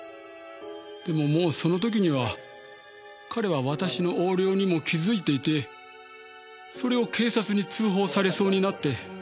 でももうその時には彼は私の横領にも気づいていてそれを警察に通報されそうになって。